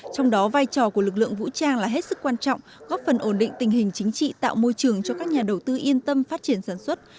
trong đó vai trò của lực lượng vũ trang là hết sức quan trọng góp phần ổn định tình hình chính trị tạo môi trường cho các nhà đầu tư yên tâm phát triển sản xuất